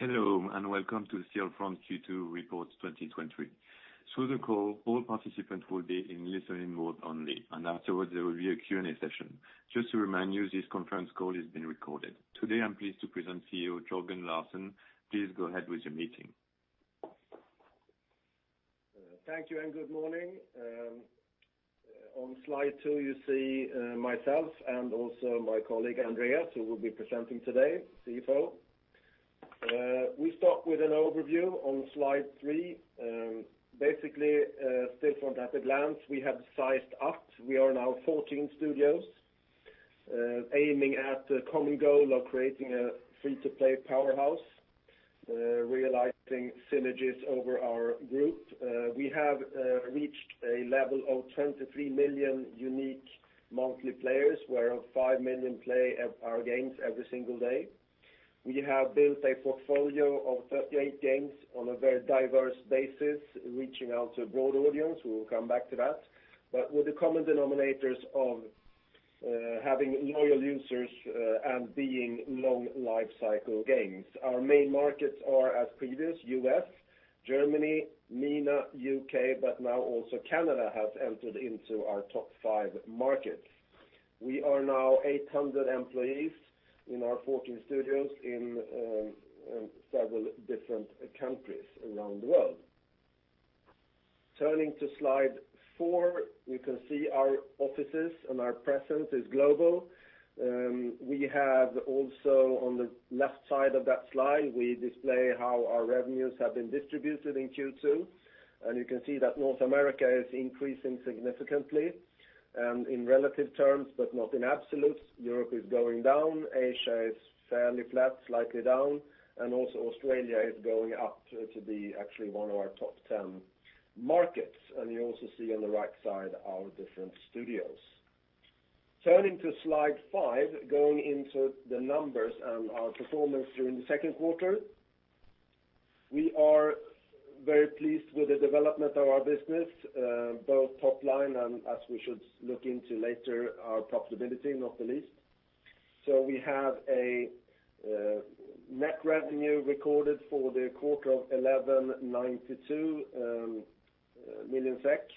Hello, welcome to the Stillfront Q2 Report 2020. Through the call, all participants will be in listening mode only, and afterwards there will be a Q and A session. Just to remind you, this conference call is being recorded. Today, I'm pleased to present CEO Jörgen Larsson. Please go ahead with your meeting. Thank you, and good morning. On slide two you see myself and also my colleague, Andreas, who will be presenting today, CFO. We start with an overview on slide three. Stillfront at a glance, we have sized up. We are now 14 studios, aiming at the common goal of creating a free-to-play powerhouse, realizing synergies over our group. We have reached a level of 23 million unique monthly players, where 5 million play our games every single day. We have built a portfolio of 38 games on a very diverse basis, reaching out to a broad audience. We will come back to that. With the common denominators of having loyal users and being long lifecycle games. Our main markets are as previous: U.S., Germany, MENA, U.K., now also Canada has entered into our top five markets. We are now 800 employees in our 14 studios in several different countries around the world. Turning to slide four, you can see our offices and our presence is global. We have also on the left side of that slide, we display how our revenues have been distributed in Q2. You can see that North America is increasing significantly, in relative terms, but not in absolutes. Europe is going down, Asia is fairly flat, slightly down. Also Australia is going up to be actually one of our top 10 markets. You also see on the right side our different studios. Turning to slide five, going into the numbers and our performance during the second quarter. We are very pleased with the development of our business, both top line and as we should look into later, our profitability not the least. We have a net revenue recorded for the quarter of 1,192 million SEK,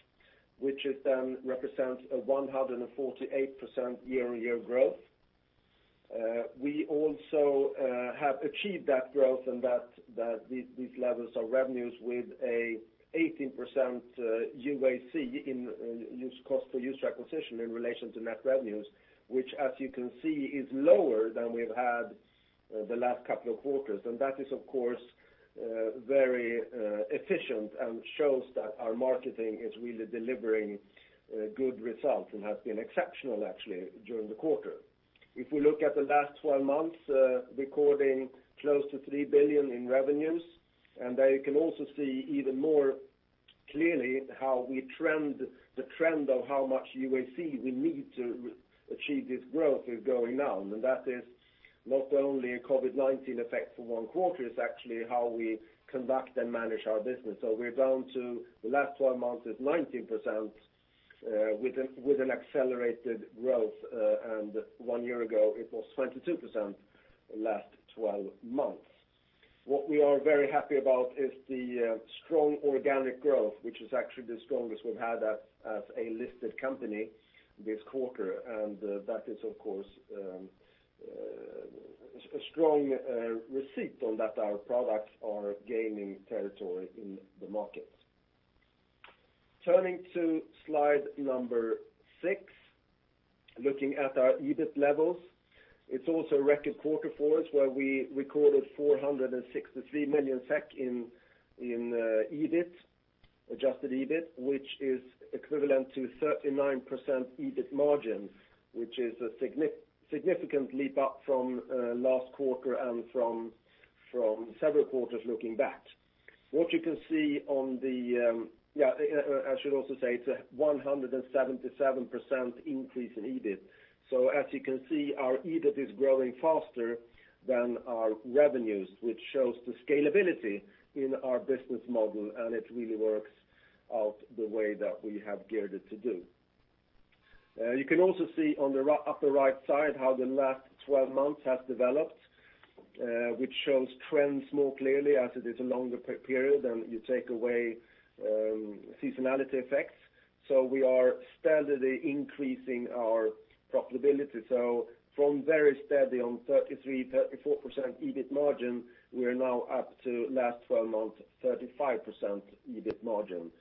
which is then represents a 148% year-on-year growth. We also have achieved that growth and these levels of revenues with a 18% UAC in cost to user acquisition in relation to net revenues, which, as you can see, is lower than we've had the last couple of quarters. That is, of course, very efficient and shows that our marketing is really delivering good results and has been exceptional actually during the quarter. If we look at the last 12 months, recording close to 3 billion in revenues, there you can also see even more clearly how the trend of how much UAC we need to achieve this growth is going down. That is not only a COVID-19 effect for one quarter, it's actually how we conduct and manage our business. We're down to the last 12 months is 19%, with an accelerated growth. One year ago, it was 22% last 12 months. What we are very happy about is the strong organic growth, which is actually the strongest we've had as a listed company this quarter, and that is, of course, a strong receipt on that our products are gaining territory in the market. Turning to slide number six, looking at our EBIT levels. It's also a record quarter for us, where we recorded 463 million SEK in Adjusted EBIT, which is equivalent to 39% EBIT margins, which is a significant leap up from last quarter and from several quarters looking back. I should also say it's a 177% increase in EBIT. As you can see, our EBIT is growing faster than our revenues, which shows the scalability in our business model, and it really works out the way that we have geared it to do. You can also see on the upper right side how the last 12 months has developed, which shows trends more clearly as it is a longer period, and you take away seasonality effects. We are steadily increasing our profitability. From very steady on 33%-34% EBIT margin, we are now up to last 12 months, 35% EBIT margin.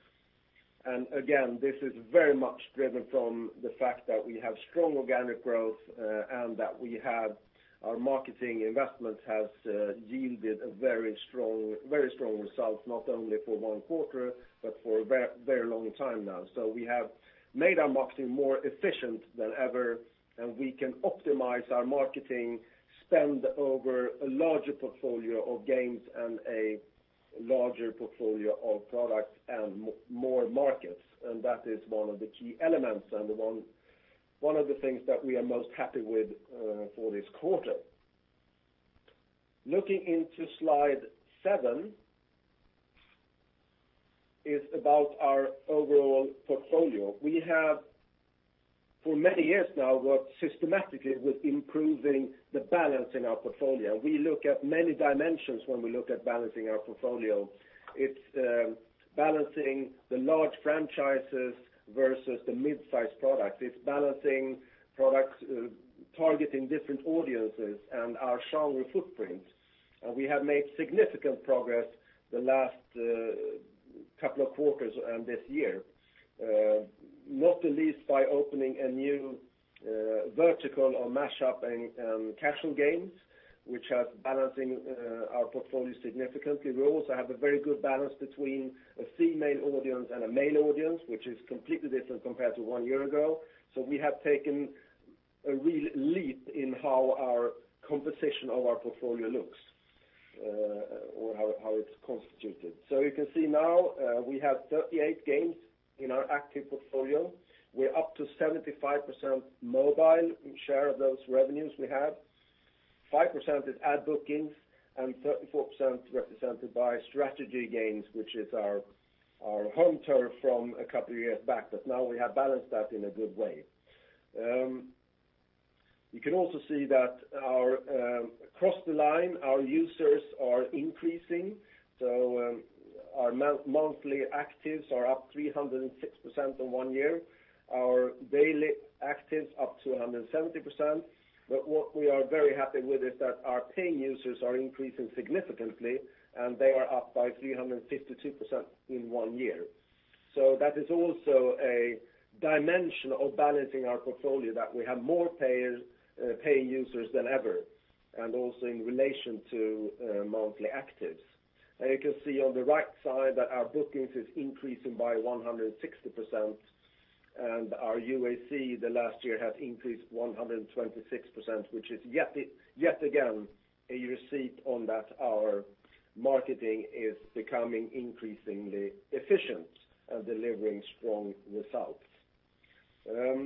Again, this is very much driven from the fact that we have strong organic growth, and that our marketing investment has yielded a very strong result, not only for one quarter, but for a very long time now. We have made our marketing more efficient than ever, and we can optimize our marketing spend over a larger portfolio of games and a larger portfolio of products and more markets, and that is one of the key elements and one of the things that we are most happy with for this quarter. Looking into slide seven is about our overall portfolio. We have for many years now worked systematically with improving the balance in our portfolio. We look at many dimensions when we look at balancing our portfolio. It's balancing the large franchises versus the mid-size products. It's balancing products targeting different audiences and our genre footprint. We have made significant progress the last couple of quarters and this year, not the least by opening a new vertical on mashup and casual games, which has balancing our portfolio significantly. We also have a very good balance between a female audience and a male audience, which is completely different compared to one year ago. We have taken a real leap in how our composition of our portfolio looks or how it's constituted. You can see now we have 38 games in our active portfolio. We are up to 75% mobile share of those revenues we have, 5% is ad bookings, and 34% represented by strategy games, which is our home turf from a couple of years back. Now we have balanced that in a good way. You can also see that across the line, our users are increasing. Our monthly actives are up 306% in one year, our daily actives up 270%. What we are very happy with is that our paying users are increasing significantly, and they are up by 352% in one year. That is also a dimension of balancing our portfolio that we have more paying users than ever, and also in relation to monthly actives. You can see on the right side that our bookings is increasing by 160%, and our UAC the last year has increased 126%, which is yet again, a receipt on that our marketing is becoming increasingly efficient and delivering strong results. I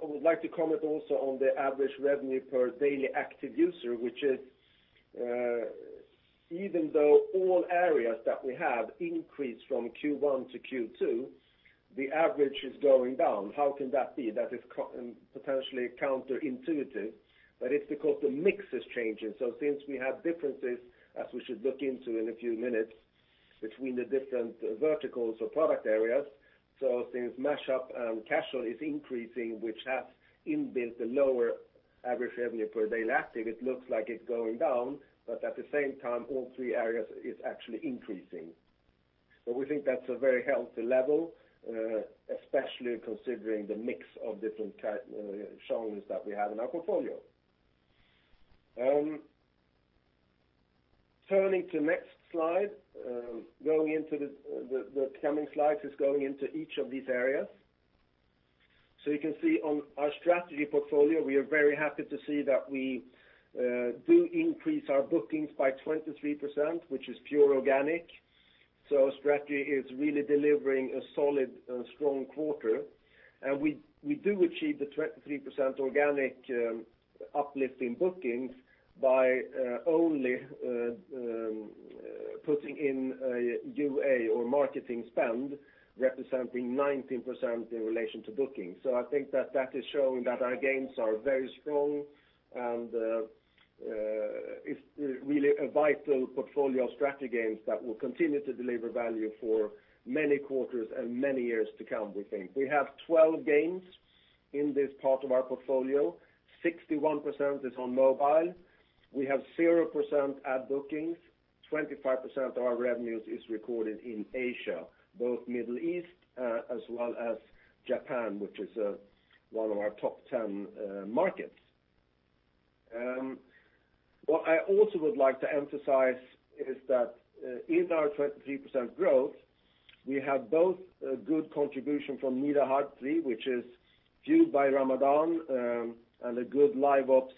would like to comment also on the average revenue per daily active user, which is even though all areas that we have increased from Q1 to Q2, the average is going down. How can that be? That is potentially counterintuitive, but it's because the mix is changing. Since we have differences, as we should look into in a few minutes, between the different verticals or product areas, so since mashup and casual is increasing, which has inbuilt a lower average revenue per daily active, it looks like it's going down, but at the same time, all three areas is actually increasing. We think that's a very healthy level, especially considering the mix of different genres that we have in our portfolio. Turning to next slide, the coming slides is going into each of these areas. You can see on our strategy portfolio, we are very happy to see that we do increase our bookings by 23%, which is pure organic. Strategy is really delivering a solid and strong quarter. We do achieve the 23% organic uplift in bookings by only putting in UA or marketing spend representing 19% in relation to bookings. I think that that is showing that our games are very strong, and it's really a vital portfolio of strategy games that will continue to deliver value for many quarters and many years to come, we think. We have 12 games in this part of our portfolio, 61% is on mobile. We have 0% ad bookings, 25% of our revenues is recorded in Asia, both Middle East as well as Japan, which is one of our top 10 markets. What I also would like to emphasize is that in our 23% growth, we have both a good contribution from Nida Harb 3, which is fueled by Ramadan, and a good live ops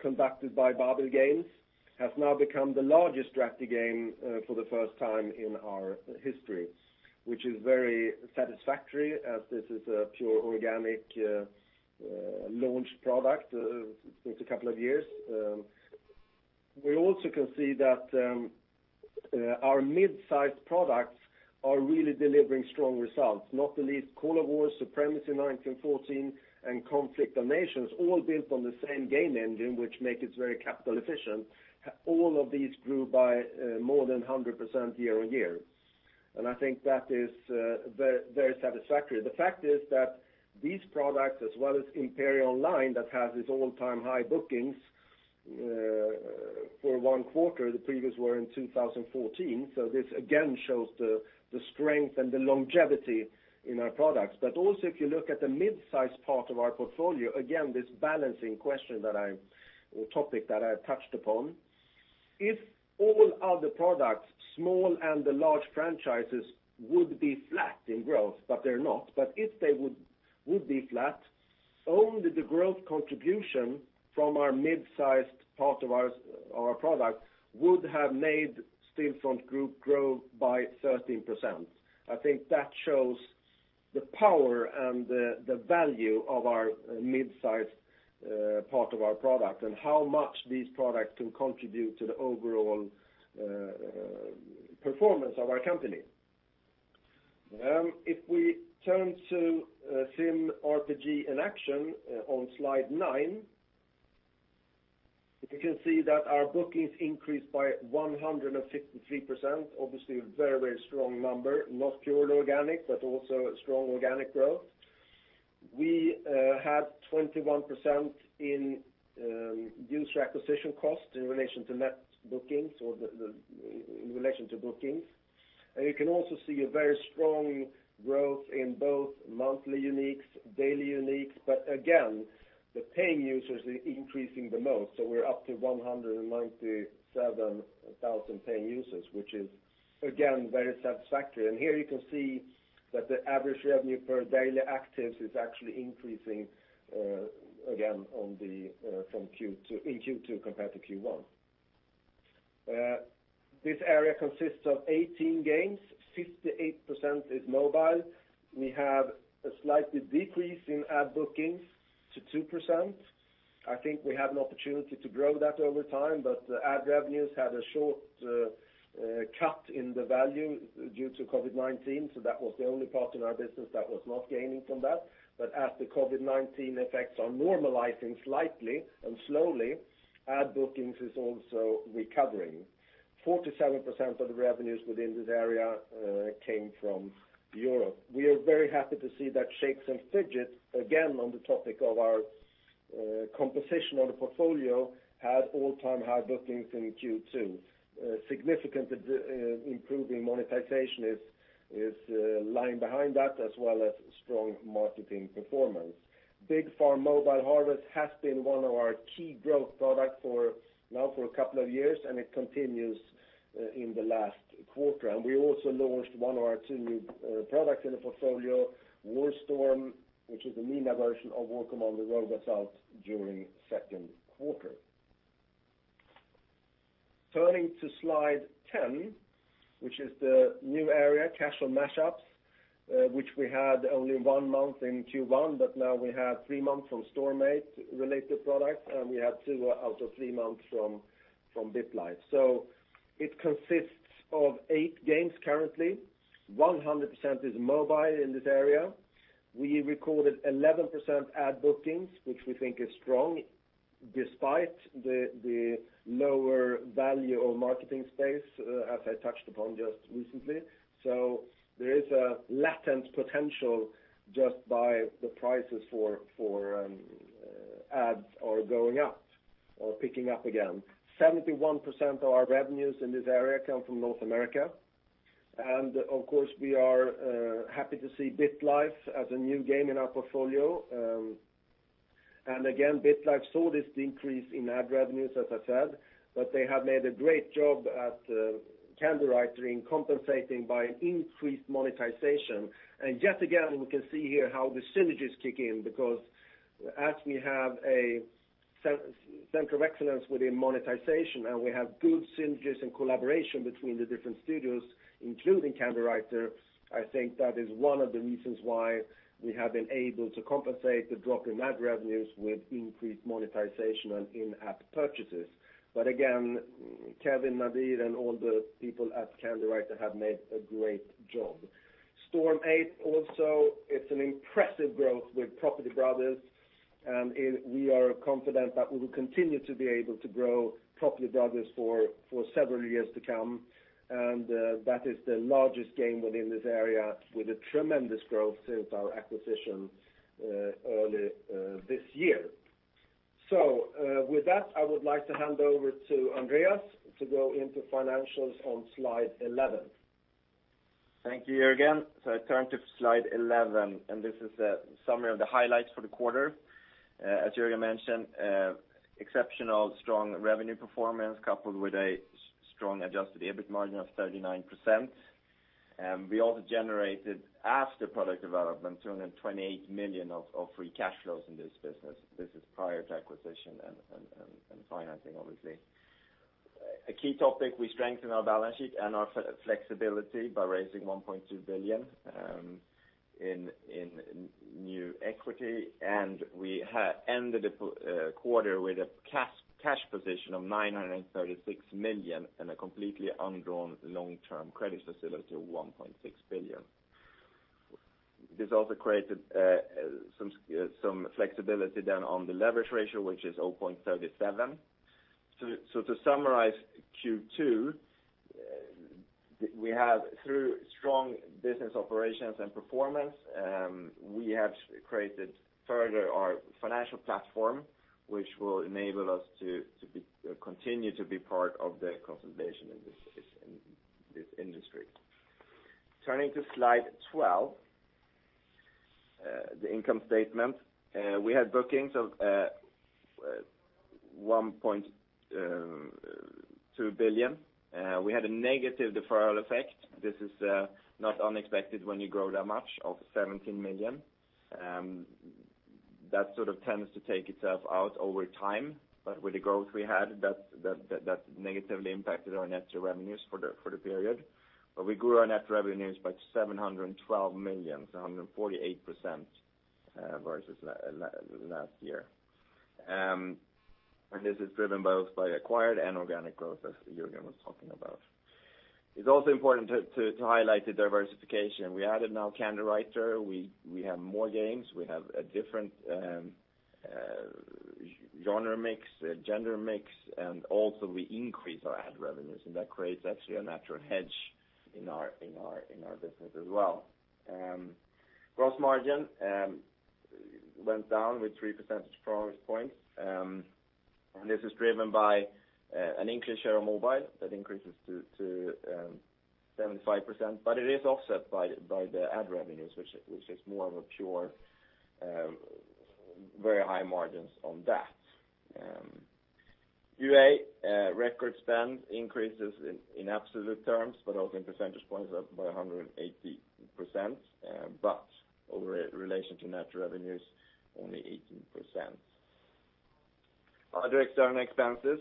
conducted by Babil Games, has now become the largest strategy game for the first time in our history, which is very satisfactory as this is a pure organic launch product since a couple of years. We also can see that our mid-size products are really delivering strong results, not the least Call of War and Supremacy 1914, and Conflict of Nations, all built on the same game engine, which makes it very capital efficient. All of these grew by more than 100% year-on-year. I think that is very satisfactory. The fact is that these products, as well as Imperia Online that has its all-time high bookings for one quarter, the previous were in 2014. This again shows the strength and the longevity in our products. Also if you look at the mid-size part of our portfolio, again, this balancing question, topic that I touched upon. If all other products, small and the large franchises would be flat in growth, but they're not, but if they would be flat, only the growth contribution from our mid-sized part of our product would have made Stillfront Group grow by 13%. I think that shows the power and the value of our midsize part of our product, and how much these products can contribute to the overall performance of our company. If we turn to Sim, RPG & Action on slide nine, you can see that our bookings increased by 153%, obviously a very strong number. Not purely organic, but also a strong organic growth. We had 21% in user acquisition costs in relation to net bookings or in relation to bookings. You can also see a very strong growth in both monthly uniques, daily uniques, but again, the paying users are increasing the most. We're up to 197,000 paying users, which is, again, very satisfactory. Here you can see that the average revenue per daily actives is actually increasing again in Q2 compared to Q1. This area consists of 18 games. 58% is mobile. We have a slight decrease in ad bookings to 2%. I think we have an opportunity to grow that over time, but the ad revenues had a short cut in the value due to COVID-19, so that was the only part in our business that was not gaining from that. As the COVID-19 effects are normalizing slightly and slowly, ad bookings is also recovering. 47% of the revenues within this area came from Europe. We are very happy to see that Shakes & Fidget again, on the topic of our composition of the portfolio, had all-time high bookings in Q2. Significant improving monetization is lying behind that, as well as strong marketing performance. Big Farm Mobile Harvest has been one of our key growth products for now for a couple of years, and it continues in the last quarter. We also launched one of our two new products in the portfolio, War Storm, which is the MENA version of War Commander that rolled us out during second quarter. Turning to slide 10, which is the new area, Casual Match-ups, which we had only one month in Q1, but now we have three months from Storm8 related products, and we have two out of three months from BitLife. It consists of eight games currently. 100% is mobile in this area. We recorded 11% ad bookings, which we think is strong despite the lower value of marketing space, as I touched upon just recently. There is a latent potential just by the prices for ads are going up or picking up again. 71% of our revenues in this area come from North America. Of course, we are happy to see BitLife as a new game in our portfolio. Again, BitLife saw this decrease in ad revenues, as I said, but they have made a great job at Candywriter in compensating by increased monetization. Yet again, we can see here how the synergies kick in, because as we have a center of excellence within monetization, and we have good synergies and collaboration between the different studios, including Candywriter, I think that is one of the reasons why we have been able to compensate the drop in ad revenues with increased monetization and in-app purchases. Again, Kevin, Nadir, and all the people at Candywriter have made a great job. Storm8 also, it's an impressive growth with Property Brothers, and we are confident that we will continue to be able to grow Property Brothers for several years to come. That is the largest game within this area with a tremendous growth since our acquisition early this year. With that, I would like to hand over to Andreas to go into financials on slide 11. Thank you, Jörgen. I turn to slide 11, and this is a summary of the highlights for the quarter. As Jörgen mentioned, exceptional strong revenue performance coupled with a strong Adjusted EBIT margin of 39%. We also generated after product development, 228 million of free cash flows in this business. This is prior to acquisition and financing, obviously. A key topic, we strengthen our balance sheet and our flexibility by raising 1.2 billion in new equity, and we ended the quarter with a cash position of 936 million and a completely undrawn long-term credit facility of 1.6 billion. This also created some flexibility then on the leverage ratio, which is 0.37. To summarize Q2, we have through strong business operations and performance created further our financial platform, which will enable us to continue to be part of the consolidation in this industry. Turning to slide 12, the income statement. We had bookings of 1.2 billion. We had a negative deferral effect. This is not unexpected when you grow that much of 17 million. That sort of tends to take itself out over time. With the growth we had, that negatively impacted our net revenues for the period. We grew our net revenues by 712 million, so 148% versus last year. This is driven both by acquired and organic growth, as Jörgen was talking about. It's also important to highlight the diversification. We added now Candywriter. We have more games. We have a different genre mix, gender mix, and also we increase our ad revenues, and that creates actually a natural hedge in our business as well. Gross margin went down with three percentage points, and this is driven by an increased share of mobile that increases to 75%. It is offset by the ad revenues, which is more of a pure very high margins on that. UA record spend increases in absolute terms, but also in percentage points up by 180%. Over relation to net revenues, only 18%. Other external expenses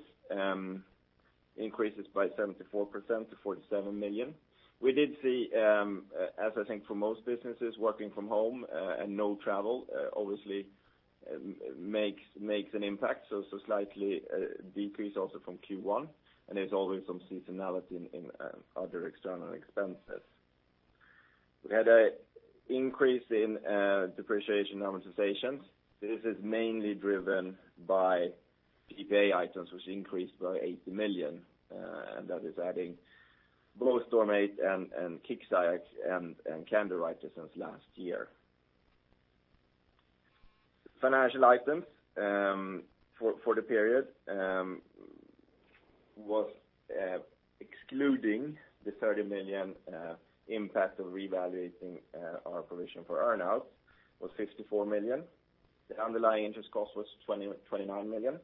increases by 74% to 47 million. We did see, as I think for most businesses, working from home, and no travel obviously makes an impact, so slightly decrease also from Q1, and there's always some seasonality in other external expenses. We had an increase in depreciation and amortization. This is mainly driven by PPA items, which increased by 80 million, and that is adding Storm8 and Kixeye and Candywriter since last year. Financial items for the period was excluding the 30 million impact of revaluating our provision for earn-outs, was 54 million. The underlying interest cost was 29 million.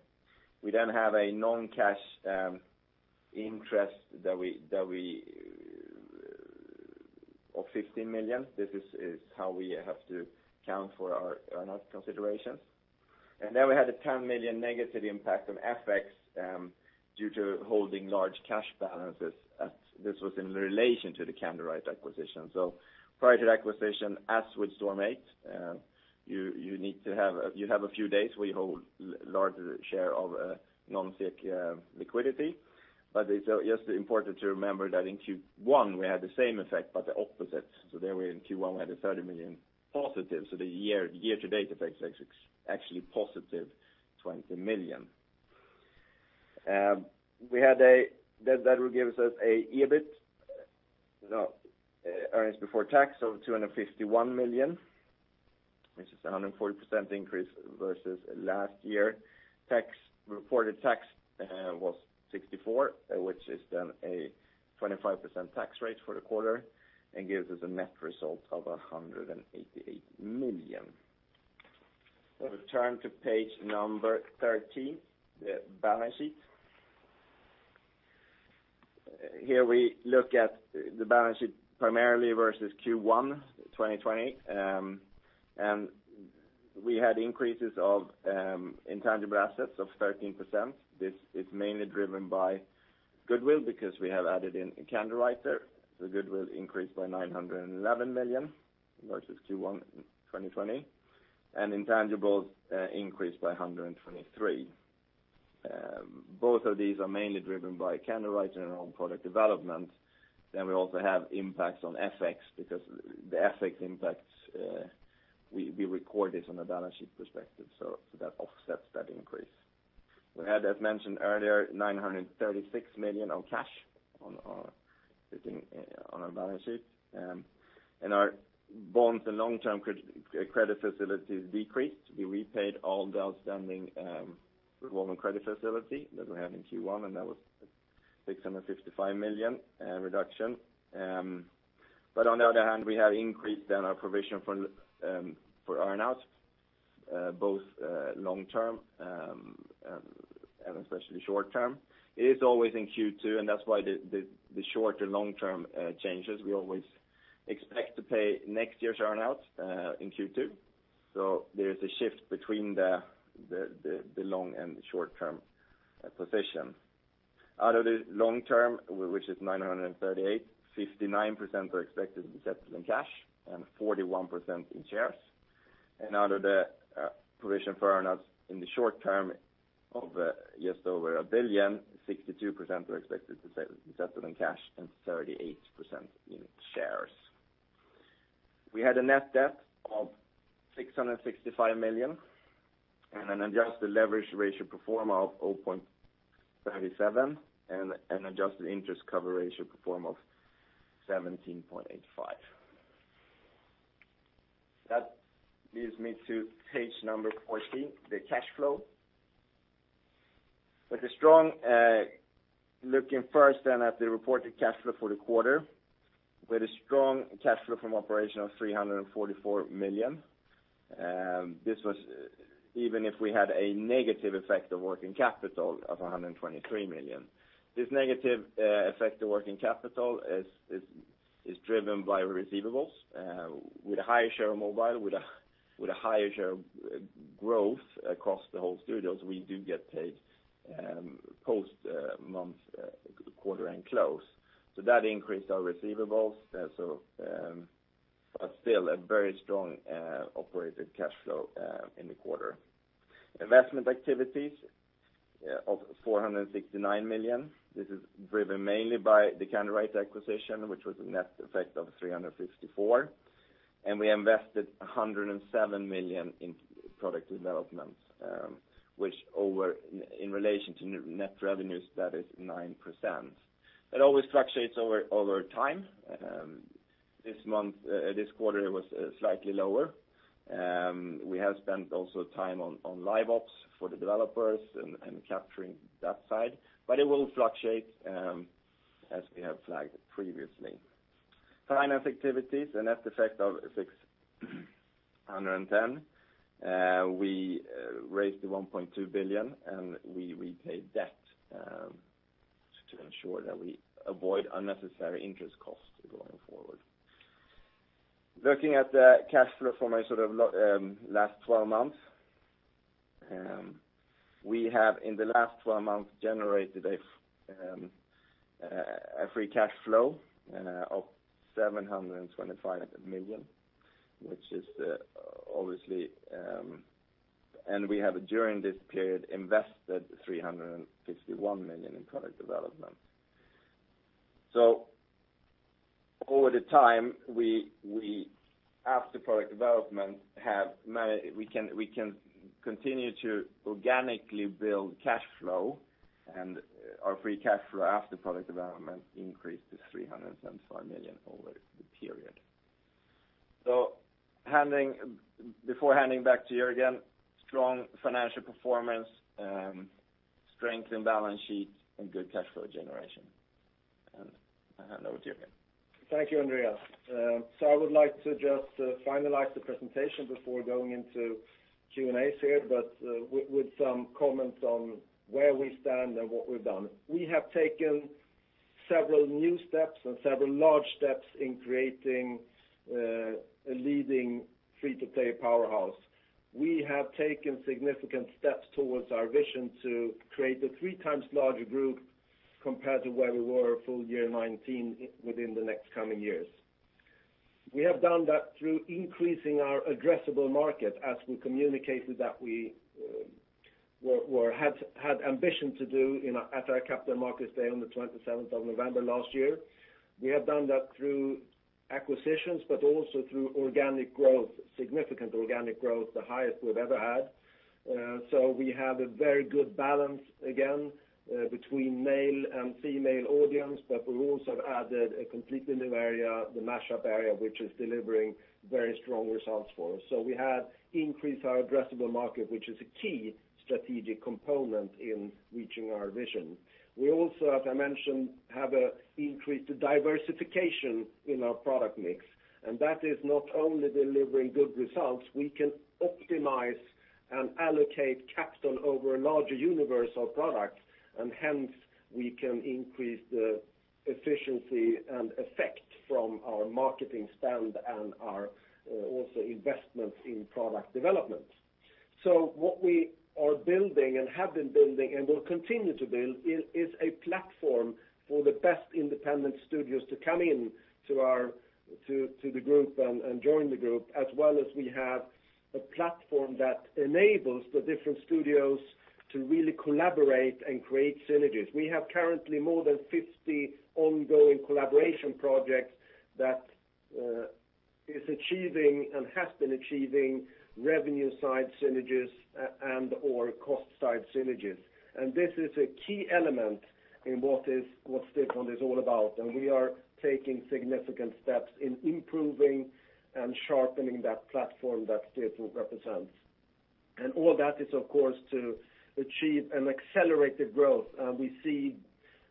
We have a non-cash interest of 15 million. This is how we have to account for our earn-out considerations. We had a 10 million negative impact on FX due to holding large cash balances. This was in relation to the Candywriter acquisition. Prior to the acquisition, as with Storm8, you have a few days we hold larger share of non-SEK liquidity. It's important to remember that in Q1, we had the same effect but the opposite. There in Q1, we had a 30 million positive. The year-to-date effect is actually positive 20 million. That will give us earnings before tax of 251 million, which is a 140% increase versus last year. Reported tax was 64 million, which is then a 25% tax rate for the quarter and gives us a net result of 188 million. We'll return to page 13, the balance sheet. Here we look at the balance sheet primarily versus Q1 2020. We had increases of intangible assets of 13%. This is mainly driven by goodwill because we have added in Candywriter. The goodwill increased by 911 million versus Q1 in 2020, and intangibles increased by 123. Both of these are mainly driven by Candywriter and our own product development. We also have impacts on FX because the FX impacts, we record this on a balance sheet perspective. That offsets that increase. We had, as mentioned earlier, 936 million on cash on our balance sheet. Our bonds and long-term credit facilities decreased. We repaid all the outstanding revolving credit facility that we had in Q1, and that was 655 million reduction. On the other hand, we have increased then our provision for earn-outs, both long-term and especially short-term. It is always in Q2, and that's why the short-term, long-term changes, we always expect to pay next year's earn-outs in Q2. There's a shift between the long- and the short-term position. Out of the long-term, which is 938, 59% are expected to be settled in cash and 41% in shares. Out of the provision for earn-outs in the short-term of just over 1 billion, 62% are expected to be settled in cash and 38% in shares. We had a net debt of 665 million and an adjusted leverage ratio pro forma of 0.37, and an adjusted interest cover ratio pro forma of 17.85. That leads me to page number 14, the cash flow. Looking first then at the reported cash flow for the quarter, we had a strong cash flow from operation of 344 million. This was even if we had a negative effect of working capital of 123 million. This negative effect of working capital is driven by receivables with a higher share of mobile, with a higher share of growth across the whole studios, we do get paid post-month quarter end close. That increased our receivables. Still a very strong operated cash flow in the quarter. Investment activities of 469 million. This is driven mainly by the Candywriter acquisition, which was a net effect of 354, and we invested 107 million in product development, which in relation to net revenues, that is 9%. It always fluctuates over time. This quarter, it was slightly lower. We have spent also time on live ops for the developers and capturing that side. It will fluctuate as we have flagged previously. Finance activities, a net effect of 610. We raised the 1.2 billion, and we paid debt to ensure that we avoid unnecessary interest costs going forward. Looking at the cash flow from a sort of last 12 months. We have, in the last 12 months, generated a free cash flow of 725 million, and we have, during this period, invested 351 million in product development. Over the time, after product development, we can continue to organically build cash flow, and our free cash flow after product development increased to 305 million over the period. Before handing back to you again, strong financial performance, strength in balance sheet, and good cash flow generation, and I'll hand over to you again. Thank you, Andreas. I would like to just finalize the presentation before going into Q and As here, but with some comments on where we stand and what we've done. We have taken several new steps and several large steps in creating a leading free-to-play powerhouse. We have taken significant steps towards our vision to create a three times larger group compared to where we were full year 2019 within the next coming years. We have done that through increasing our addressable market as we communicated that we had ambition to do at our capital markets day on the 27th of November last year. We have done that through acquisitions, but also through organic growth, significant organic growth, the highest we've ever had. We have a very good balance again between male and female audience, but we also have added a completely new area, the mash-up area, which is delivering very strong results for us. We have increased our addressable market, which is a key strategic component in reaching our vision. We also, as I mentioned, have increased the diversification in our product mix, and that is not only delivering good results, we can optimize and allocate capital over a larger universe of products, and hence, we can increase the efficiency and effect from our marketing spend and our also investments in product development. What we are building and have been building and will continue to build is a platform for the best independent studios to come in to the group and join the group, as well as we have a platform that enables the different studios to really collaborate and create synergies. We have currently more than 50 ongoing collaboration projects that is achieving and has been achieving revenue-side synergies and/or cost-side synergies. This is a key element in what Stillfront is all about, and we are taking significant steps in improving and sharpening that platform that Stillfront represents. All that is, of course, to achieve an accelerated growth. We see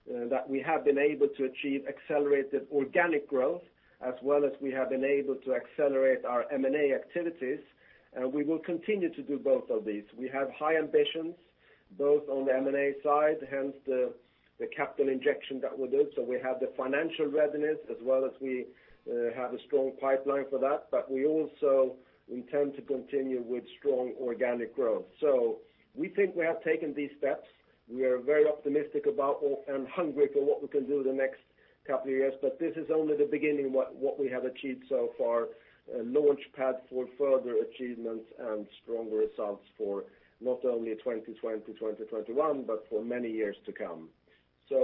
that we have been able to achieve accelerated organic growth as well as we have been able to accelerate our M&A activities. We will continue to do both of these. We have high ambitions both on the M&A side, hence the capital injection that we did. We have the financial readiness as well as we have a strong pipeline for that. We also intend to continue with strong organic growth. We think we have taken these steps. We are very optimistic about and hungry for what we can do the next couple of years. This is only the beginning, what we have achieved so far, a launch pad for further achievements and stronger results for not only 2020, 2021, but for many years to come.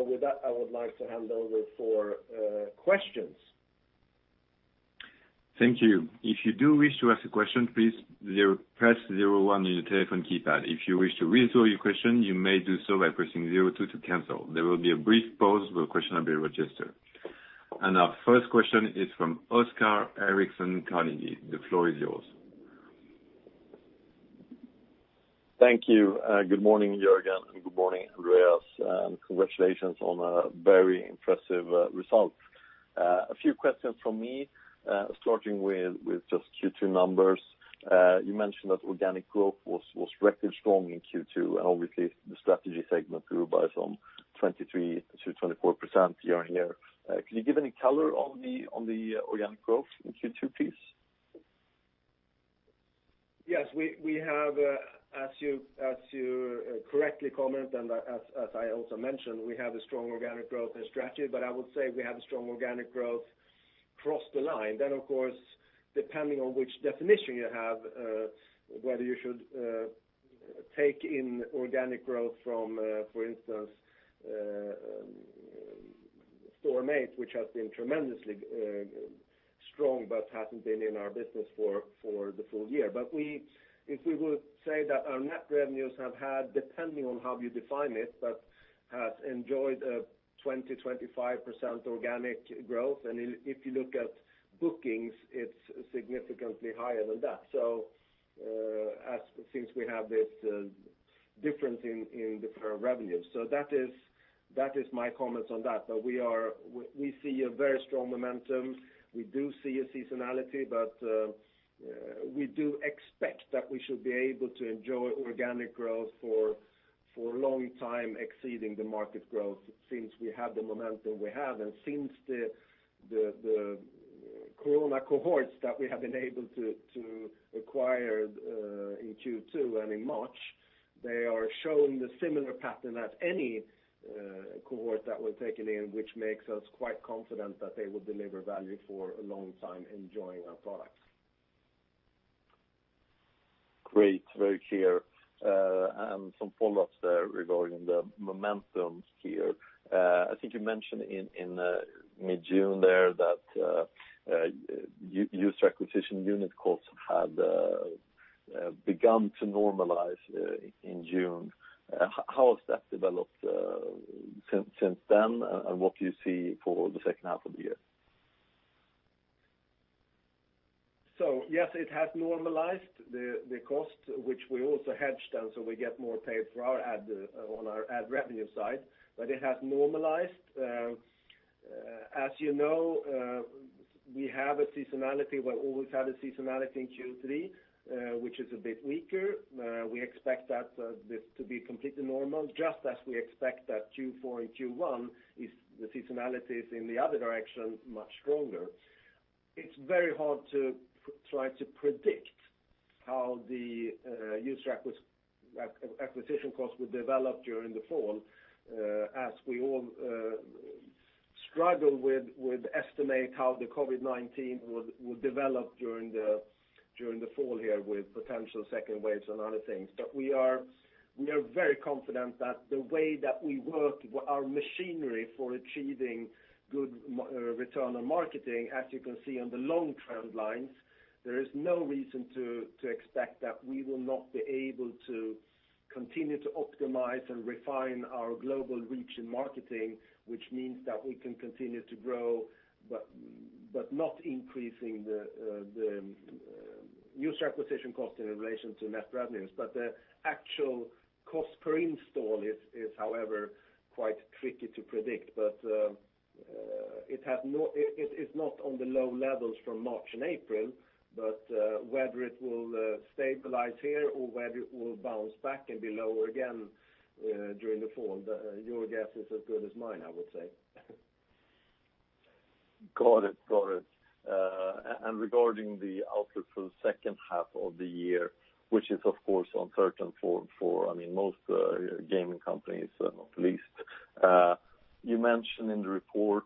With that, I would like to hand over for questions. Thank you. If you do wish to asked a question please press star zero one on your telephone keypad. If you wish to withdraw your question you may do so by pressing zero two to cancel. Their will be a brief pause for question to be registered. Our first question is from Oscar Erixon, Carnegie. The floor is yours. Thank you. Good morning, Jörgen, and good morning, Andreas, and congratulations on a very impressive result. A few questions from me starting with just Q2 numbers. You mentioned that organic growth was record strong in Q2, and obviously the strategy segment grew by some 23%-24% year-over-year. Can you give any color on the organic growth in Q2, please? Yes. As you correctly comment and as I also mentioned, we have a strong organic growth in strategy, but I would say we have a strong organic growth across the line. Of course, depending on which definition you have, whether you should take in organic growth from, for instance, Storm8, which has been tremendously strong but hasn't been in our business for the full year. If we would say that our net revenues have had, depending on how you define it, but has enjoyed a 20%-25% organic growth. If you look at bookings, it's significantly higher than that, since we have this difference in deferred revenues. That is my comments on that. We see a very strong momentum. We do see a seasonality, but we do expect that we should be able to enjoy organic growth for a long time, exceeding the market growth since we have the momentum we have and since the Corona cohorts that we have been able to acquire in Q2 and in March, they are showing the similar pattern as any cohort that was taken in, which makes us quite confident that they will deliver value for a long time enjoying our products. Great. Very clear. Some follow-ups there regarding the momentum here. I think you mentioned in mid-June there that user acquisition unit costs had begun to normalize in June. How has that developed since then? What do you see for the second half of the year? Yes, it has normalized the cost, which we also hedged down, so we get more paid for our ad on our ad revenue side. It has normalized. You know, we have a seasonality. We always have a seasonality in Q3, which is a bit weaker. We expect this to be completely normal, just as we expect that Q4 and Q1, if the seasonality is in the other direction, much stronger. It's very hard to try to predict how the user acquisition cost will develop during the fall, as we all struggle with estimate how the COVID-19 will develop during the fall here with potential second waves and other things. We are very confident that the way that we work our machinery for achieving good return on marketing, as you can see on the long trend lines, there is no reason to expect that we will not be able to continue to optimize and refine our global reach in marketing, which means that we can continue to grow, but not increasing the user acquisition cost in relation to net revenues. The actual cost per install is, however, quite tricky to predict. It's not on the low levels from March and April, but whether it will stabilize here or whether it will bounce back and be lower again during the fall, your guess is as good as mine, I would say. Got it. Regarding the outlook for the second half of the year, which is of course uncertain for most gaming companies, not least. You mentioned in the report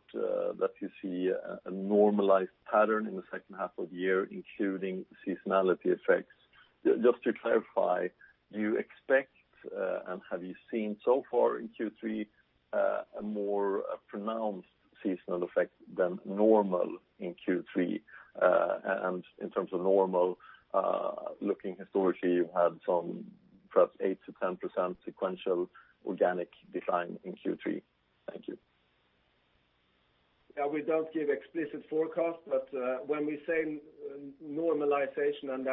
that you see a normalized pattern in the second half of the year, including seasonality effects. Just to clarify, do you expect, and have you seen so far in Q3, a more pronounced seasonal effect than normal in Q3? In terms of normal, looking historically, you had some perhaps 8%-10% sequential organic decline in Q3. Thank you. We don't give explicit forecasts, when we say normalization, and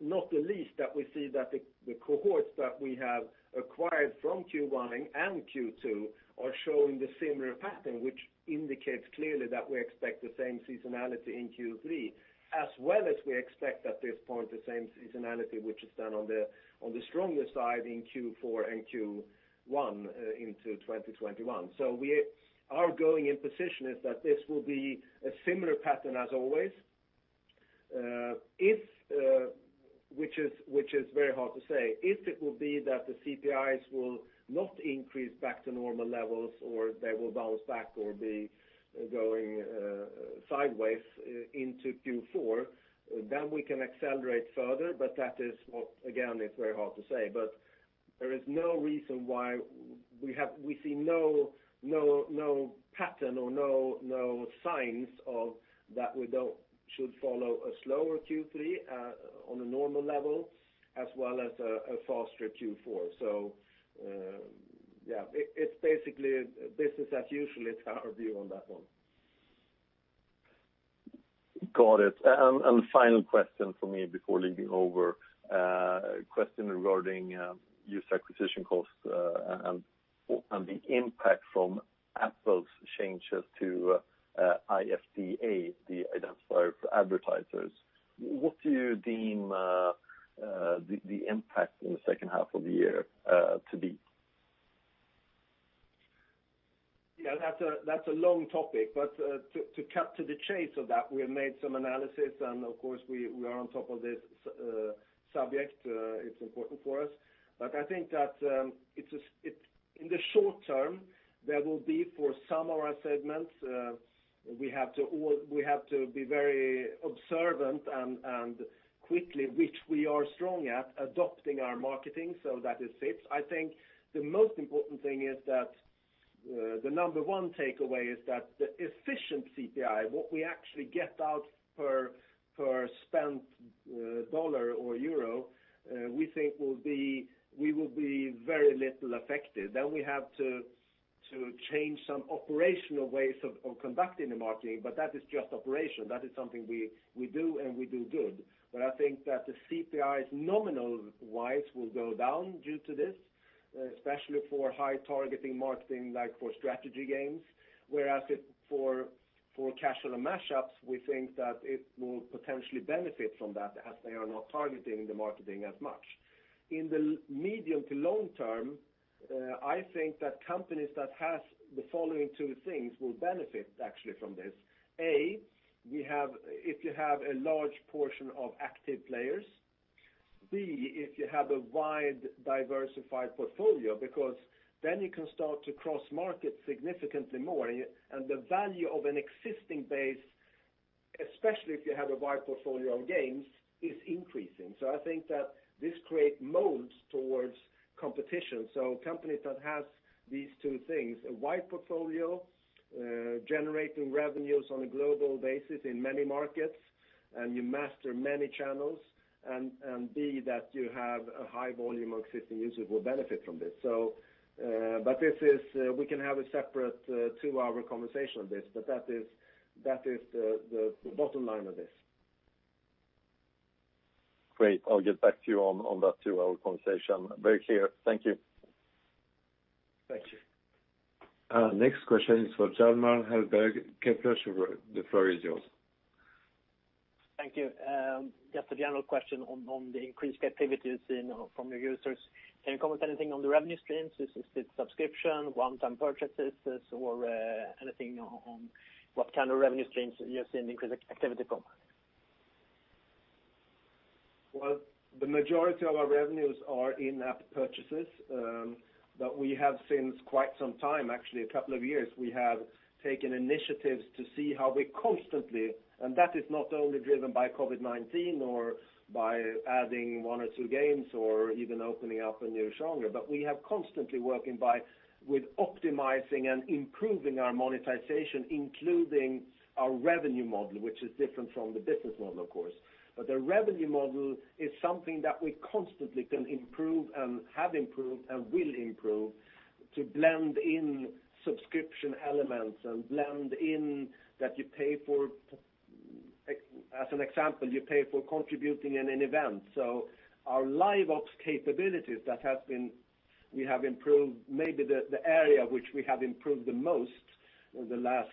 not the least, that we see that the cohorts that we have acquired from Q1 and Q2 are showing the similar pattern, which indicates clearly that we expect the same seasonality in Q3, as well as we expect at this point the same seasonality, which is then on the stronger side in Q4 and Q1 into 2021. Our going in position is that this will be a similar pattern as always. Which is very hard to say. If it will be that the CPIs will not increase back to normal levels or they will bounce back or be going sideways into Q4, then we can accelerate further. That is, again, it's very hard to say. We see no pattern or no signs of that we should follow a slower Q3 on a normal level as well as a faster Q4. Yeah, it's basically business as usual is our view on that one. Got it. Final question from me before leaving over. A question regarding user acquisition costs and the impact from Apple's changes to IDFA, the identifier for advertisers. What do you deem the impact in the second half of the year to be? That's a long topic. To cut to the chase of that, we have made some analysis. Of course, we are on top of this subject. It's important for us. I think that in the short term, there will be, for some of our segments, we have to be very observant and quickly, which we are strong at, adopting our marketing so that it fits. I think the most important thing is that the number one takeaway is that the efficient CPI, what we actually get out per spent dollar or Euro, we think we will be very little affected. We have to change some operational ways of conducting the marketing. That is just operation. That is something we do. We do good. I think that the CPI nominal-wise will go down due to this, especially for high-targeting marketing, like for strategy games, whereas for casual and matchups, we think that it will potentially benefit from that as they are not targeting the marketing as much. In the medium to long term, I think that companies that have the following two things will benefit actually from this: A, if you have a large portion of active players, B, if you have a wide, diversified portfolio because then you can start to cross-market significantly more, and the value of an existing base, especially if you have a wide portfolio of games, is increasing. I think that this creates modes towards competition. Companies that have these two things, a wide portfolio, generating revenues on a global basis in many markets, and you master many channels, and B, that you have a high volume of existing users, will benefit from this. We can have a separate two-hour conversation on this, but that is the bottom line of this. Great. I'll get back to you on that two-hour conversation. Very clear. Thank you. Thank you. Next question is for Hjalmar Ahlberg, Kepler Cheuvreux. The floor is yours. Thank you. Just a general question on the increased activities from your users. Can you comment anything on the revenue streams? Is it subscription, one-time purchases, or anything on what kind of revenue streams you're seeing the increased activity come? Well, the majority of our revenues are in-app purchases. We have since quite some time, actually a couple of years, we have taken initiatives to see how we and that is not only driven by COVID-19 or by adding one or two games or even opening up a new genre, but we have constantly working by with optimizing and improving our monetization, including our revenue model, which is different from the business model, of course. The revenue model is something that we constantly can improve and have improved and will improve to blend in subscription elements and blend in that you pay for. As an example, you pay for contributing in an event. Our live ops capabilities that we have improved, maybe the area which we have improved the most in the last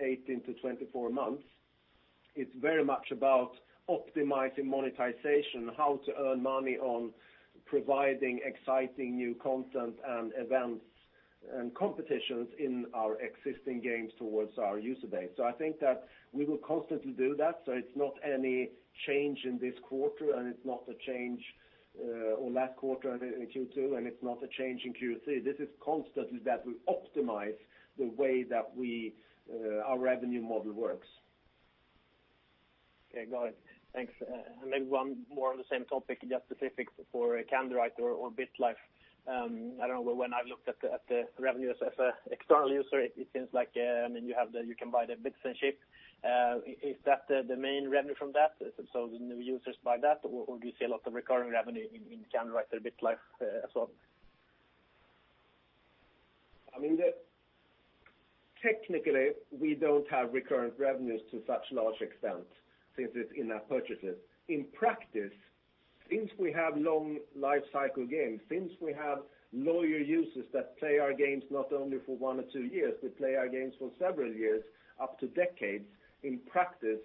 18 to 24 months, it's very much about optimizing monetization, how to earn money on providing exciting new content and events and competitions in our existing games towards our user base. I think that we will constantly do that, so it's not any change in this quarter, and it's not a change on last quarter in Q2, and it's not a change in Q3. This is constantly that we optimize the way that our revenue model works. Okay, got it. Thanks. Maybe one more on the same topic, just specifics for Candywriter or BitLife. I don't know, when I've looked at the revenues as an external user, it seems like you can buy the Bitizenship. Is that the main revenue from that? The new users buy that, or do you see a lot of recurring revenue in Candywriter or BitLife as well? Technically, we don't have recurrent revenues to such large extent since it's in-app purchases. In practice, since we have long lifecycle games, since we have loyal users that play our games not only for one or two years, they play our games for several years, up to decades, in practice,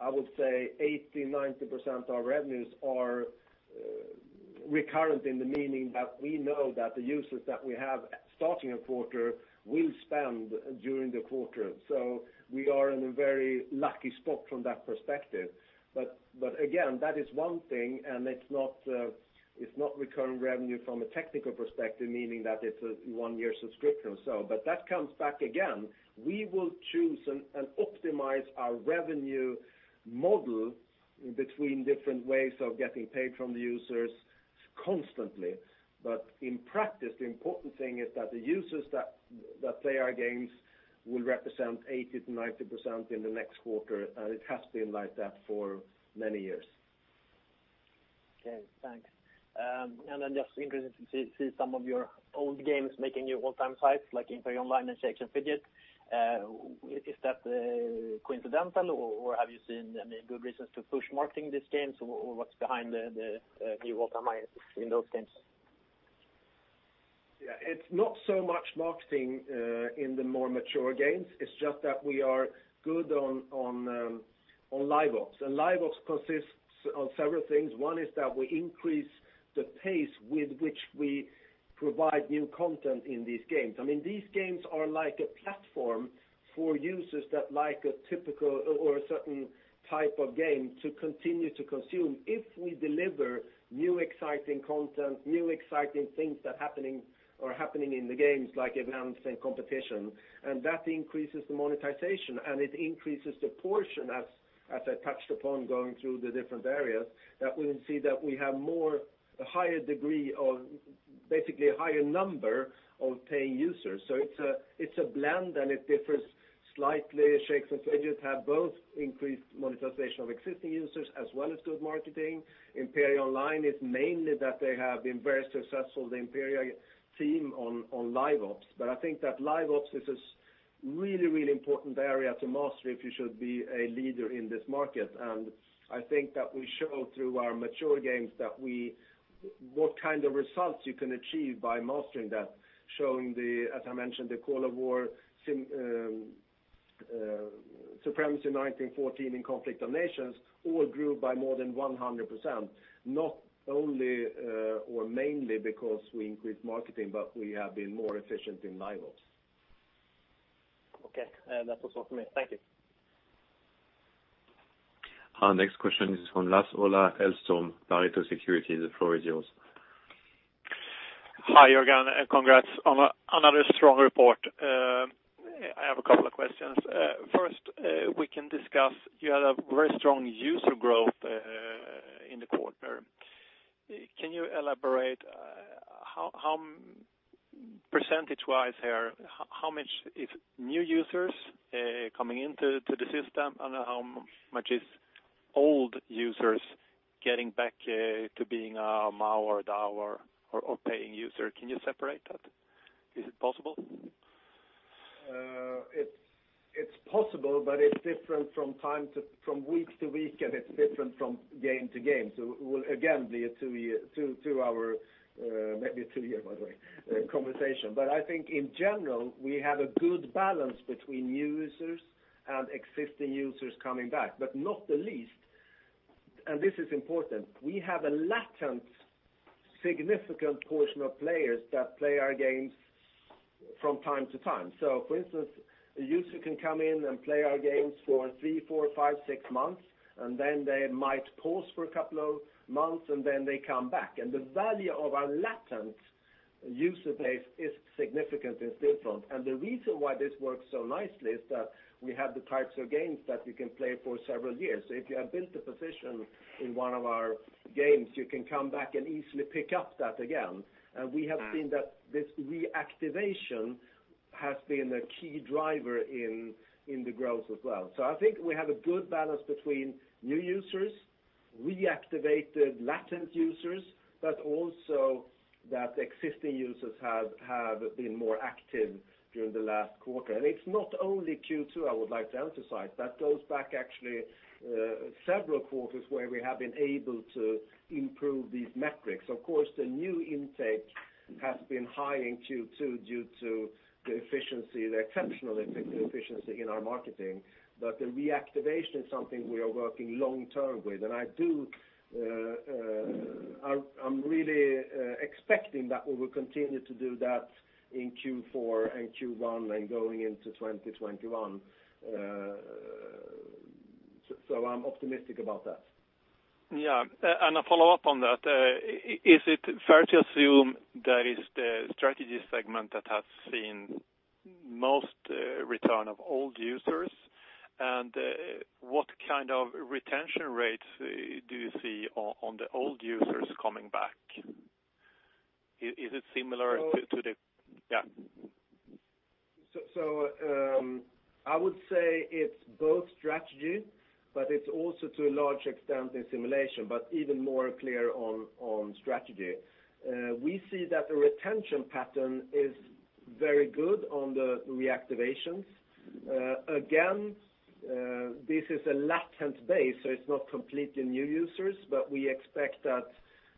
I would say 80%-90% of our revenues are recurrent in the meaning that we know that the users that we have starting a quarter will spend during the quarter. We are in a very lucky spot from that perspective. Again, that is one thing, and it's not recurring revenue from a technical perspective, meaning that it's a one-year subscription or so. That comes back again. We will choose and optimize our revenue model between different ways of getting paid from the users constantly. In practice, the important thing is that the users that play our games will represent 80%-90% in the next quarter, and it has been like that for many years. Okay, thanks. Just interesting to see some of your old games making your all-time highs, like Imperia Online and Shakes & Fidget. Is that coincidental, or have you seen any good reasons to push marketing these games, or what's behind the new all-time highs in those games? Yeah. It's not so much marketing in the more mature games. It's just that we are good on live ops. Live ops consists of several things. One is that we increase the pace with which we provide new content in these games. These games are like a platform for users that like a typical or a certain type of game to continue to consume. If we deliver new exciting content, new exciting things that are happening in the games, like announcements and competition, and that increases the monetization, and it increases the portion, as I touched upon going through the different areas, that we see that we have a higher degree of basically, a higher number of paying users. It's a blend, and it differs slightly. Shakes & Fidget have both increased monetization of existing users as well as good marketing. Imperia Online is mainly that they have been very successful, the Imperia team, on live ops. I think that live ops is a really important area to master if you should be a leader in this market. I think that we show through our mature games what kind of results you can achieve by mastering that, showing the, as I mentioned, the Call of War, Supremacy 1914, and Conflict of Nations all grew by more than 100%. Not only or mainly because we increased marketing, but we have been more efficient in live ops. Okay. That was all for me. Thank you. Our next question is from Lars-Ola Hellström, Pareto Securities. The floor is yours. Hi, Jörgen, and congrats on another strong report. I have a couple of questions. First, we can discuss, you had a very strong user growth in the quarter. Can you elaborate how, percentage-wise here, how much is new users coming into the system, and how much is old users getting back to being a MAU or a DAU or paying user? Can you separate that? Is it possible? It's possible, but it's different from week to week, and it's different from game to game. Will again be a two-hour, maybe two-year, by the way, conversation. I think in general, we have a good balance between users and existing users coming back. Not the least, and this is important, we have a latent significant portion of players that play our games from time to time. For instance, a user can come in and play our games for three, four, five, six months, and then they might pause for a couple of months, and then they come back. The value of our latent user base is significantly different. The reason why this works so nicely is that we have the types of games that you can play for several years. If you have built a position in one of our games, you can come back and easily pick up that again. We have seen that this reactivation has been a key driver in the growth as well. I think we have a good balance between new users, reactivated latent users, but also that existing users have been more active during the last quarter. It's not only Q2, I would like to emphasize. That goes back actually several quarters where we have been able to improve these metrics. Of course, the new intake has been high in Q2 due to the efficiency, the exceptional efficiency in our marketing. The reactivation is something we are working long-term with. I'm really expecting that we will continue to do that in Q4 and Q1 and going into 2021. I'm optimistic about that. Yeah. A follow-up on that. Is it fair to assume that it's the strategy segment that has seen most return of old users? What kind of retention rates do you see on the old users coming back? Is it similar to the? Yeah. I would say it's both strategy, but it's also to a large extent in simulation, but even more clear on strategy. We see that the retention pattern is very good on the reactivations. Again, this is a latent base, so it's not completely new users, but we expect that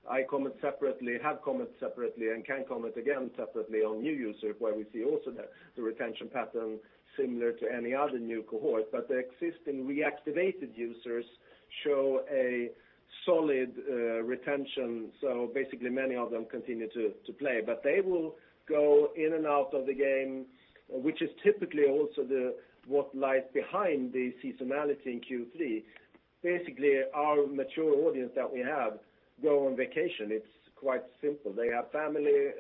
I comment separately, have commented separately, and can comment again separately on new users, where we see also the retention pattern similar to any other new cohort. The existing reactivated users show a solid retention. Basically, many of them continue to play. They will go in and out of the game, which is typically also what lies behind the seasonality in Q3. Basically, our mature audience that we have go on vacation. It's quite simple. They have family,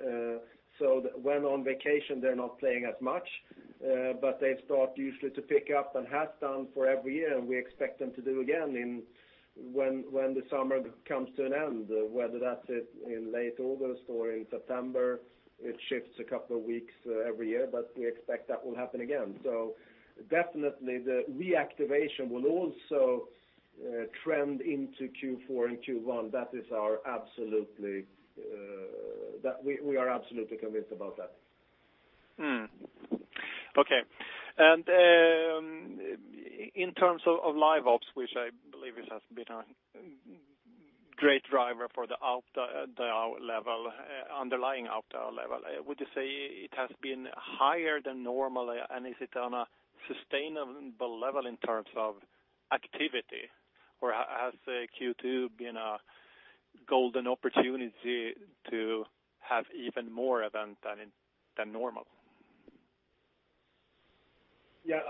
so when on vacation, they're not playing as much. They start usually to pick up and have done for every year, and we expect them to do again when the summer comes to an end, whether that's in late August or in September. It shifts a couple of weeks every year, but we expect that will happen again. Definitely the reactivation will also trend into Q4 and Q1. We are absolutely convinced about that. Okay. In terms of Live Ops, which I believe has been a great driver for the underlying ARPDAU level, would you say it has been higher than normal? Is it on a sustainable level in terms of activity, or has Q2 been a golden opportunity to have even more event than normal? Yeah.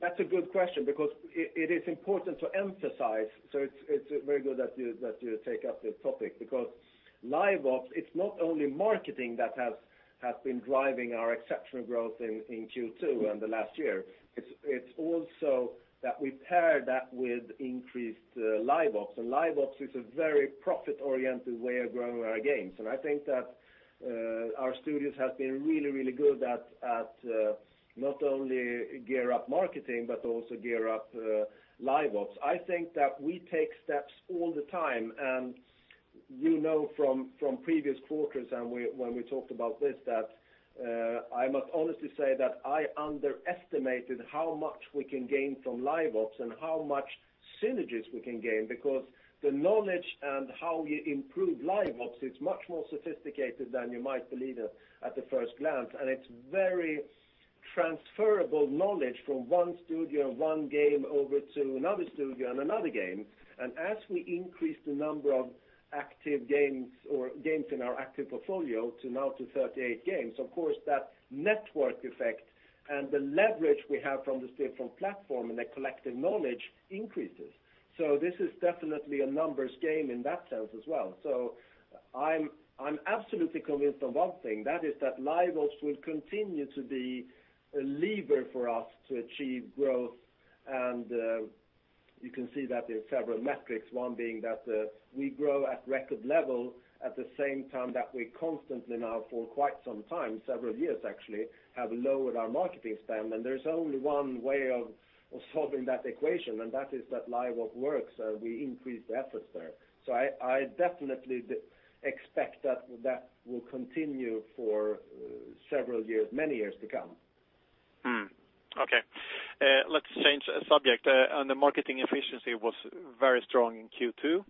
That's a good question because it is important to emphasize, it's very good that you take up this topic because Live Ops, it's not only marketing that has been driving our exceptional growth in Q2 and the last year. It's also that we pair that with increased Live Ops. Live Ops is a very profit-oriented way of growing our games. I think that our studios have been really good at not only gear up marketing, but also gear up Live Ops. I think that we take steps all the time, and you know from previous quarters when we talked about this, that I must honestly say that I underestimated how much we can gain from Live Ops and how much synergies we can gain, because the knowledge and how you improve Live Ops is much more sophisticated than you might believe at the first glance, and it's very transferable knowledge from one studio, one game, over to another studio and another game. As we increase the number of active games or games in our active portfolio to now to 38 games, of course, that network effect and the leverage we have from the Stillfront platform and the collective knowledge increases. This is definitely a numbers game in that sense as well. I'm absolutely convinced of one thing, that is that Live Ops will continue to be a lever for us to achieve growth, and you can see that in several metrics. One being that we grow at record level at the same time that we constantly now for quite some time, several years actually, have lowered our marketing spend. There's only one way of solving that equation, and that is that Live Ops works, so we increase the efforts there. I definitely expect that will continue for many years to come. Okay. Let's change subject. The marketing efficiency was very strong in Q2.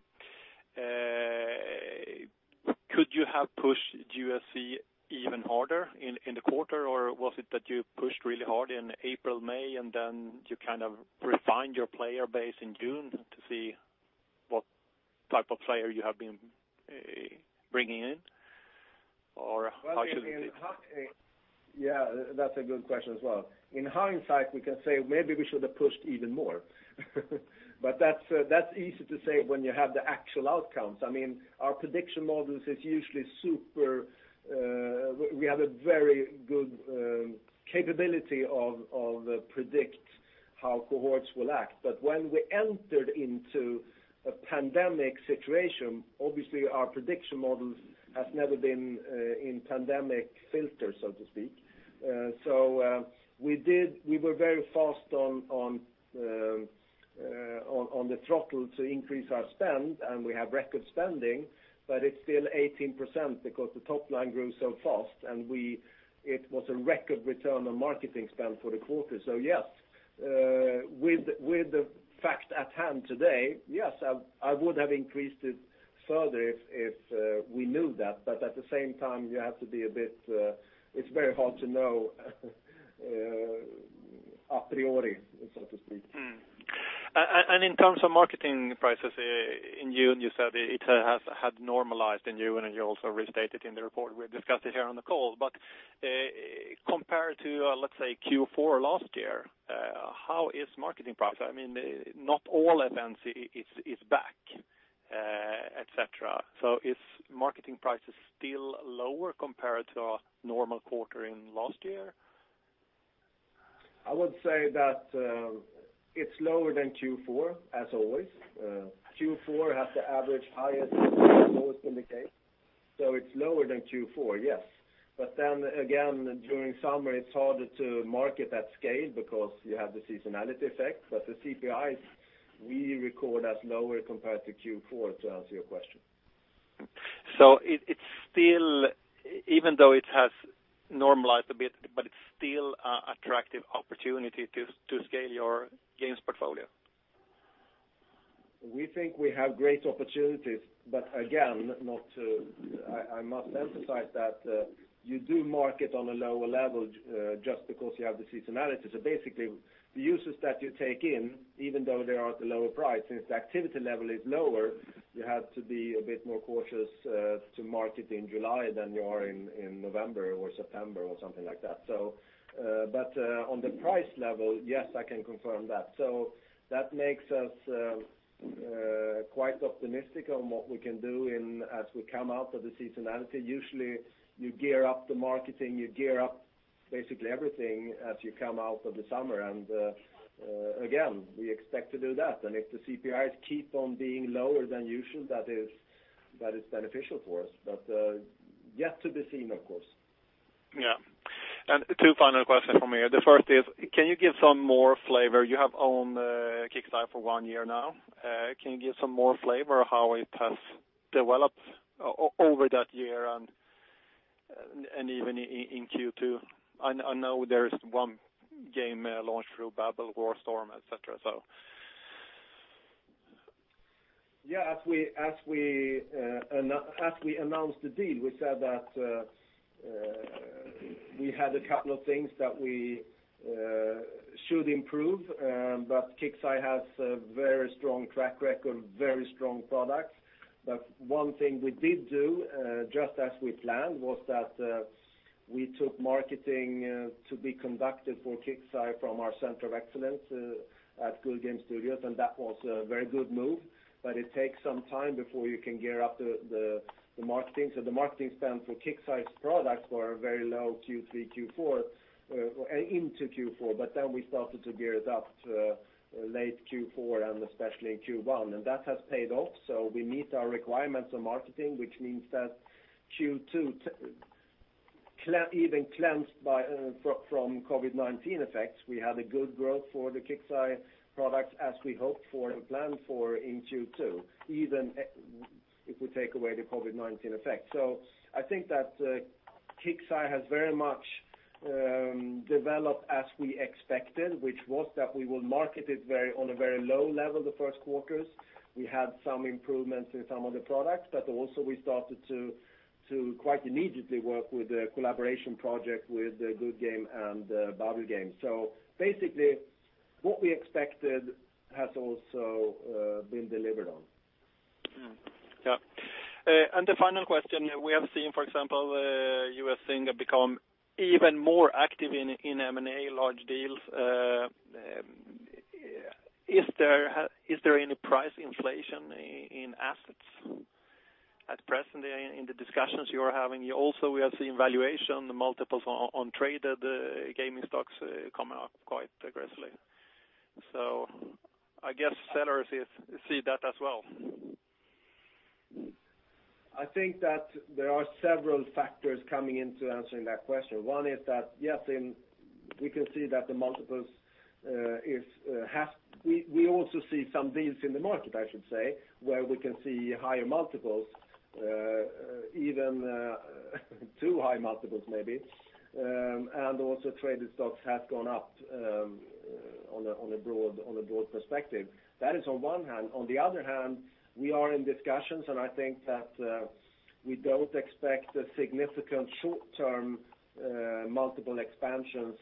Could you have pushed GSC even harder in the quarter, or was it that you pushed really hard in April, May, and then you kind of refined your player base in June to see what type of player you have been bringing in? Yeah, that's a good question as well. In hindsight, we can say maybe we should have pushed even more. That's easy to say when you have the actual outcomes. Our prediction models is usually super-- We have a very good capability of predict how cohorts will act. When we entered into a pandemic situation, obviously, our prediction models has never been in pandemic filters, so to speak. We were very fast on the throttle to increase our spend, and we have record spending, but it's still 18% because the top line grew so fast, and it was a record return on marketing spend for the quarter. Yes, with the fact at hand today, yes, I would have increased it further if we knew that. At the same time, it's very hard to know a priori, so to speak. In terms of marketing prices in June, you said it had normalized in June, and you also restated in the report, we discussed it here on the call. Compared to, let's say Q4 last year, how is marketing price? Not all events is back, et cetera. Is marketing prices still lower compared to a normal quarter in last year? I would say that it's lower than Q4, as always. Q4 has the average highest and lowest in the case, so it's lower than Q4, yes. Then again, during summer, it's harder to market at scale because you have the seasonality effect. The CPIs we record as lower compared to Q4, to answer your question. Even though it has normalized a bit, but it's still attractive opportunity to scale your games portfolio. We think we have great opportunities, but again, I must emphasize that you do market on a lower level, just because you have the seasonality. Basically, the users that you take in, even though they are at a lower price, since the activity level is lower, you have to be a bit more cautious to market in July than you are in November or September or something like that. On the price level, yes, I can confirm that. That makes us quite optimistic on what we can do as we come out of the seasonality. Usually, you gear up the marketing, you gear up basically everything as you come out of the summer. Again, we expect to do that. If the CPIs keep on being lower than usual, that is beneficial for us. Yet to be seen, of course. Yeah. Two final questions from me. The first is, can you give some more flavor? You have owned Kixeye for one year now. Can you give some more flavor how it has developed over that year and even in Q2? I know there is one game launched through Babil Games, War Storm, et cetera. As we announced the deal, we said that we had a couple of things that we should improve. Kixeye has a very strong track record, very strong products. One thing we did do, just as we planned, was that we took marketing to be conducted for Kixeye from our center of excellence at Goodgame Studios, and that was a very good move. It takes some time before you can gear up the marketing. The marketing spend for Kixeye's products were very low Q3, Q4, into Q4. Then we started to gear it up late Q4 and especially in Q1, and that has paid off. We meet our requirements on marketing, which means that Q2, even cleansed from COVID-19 effects, we had a good growth for the Kixeye products as we hoped for and planned for in Q2, even if we take away the COVID-19 effect. I think that Kixeye has very much developed as we expected, which was that we will market it on a very low level the first quarters. We had some improvements in some of the products. We started to quite immediately work with the collaboration project with the Goodgame Studios and Babil Games. What we expected has also been delivered on. Yeah. The final question. We have seen, for example, U.S. thing become even more active in M&A large deals. Is there any price inflation in assets at present in the discussions you are having? We are seeing valuation multiples on traded gaming stocks come up quite aggressively. I guess sellers see that as well. I think that there are several factors coming into answering that question. One is that, yes, we can see that the multiples. We also see some deals in the market, I should say, where we can see higher multiples, even too high multiples, maybe, and also traded stocks have gone up on a broad perspective. That is on one hand. On the other hand, we are in discussions. I think that we don't expect a significant short-term multiple expansions.